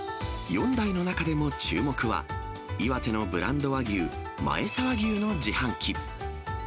４台の中でも注目は、岩手のブランド和牛、前沢牛の自販機。